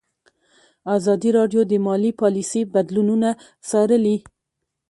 ازادي راډیو د مالي پالیسي بدلونونه څارلي.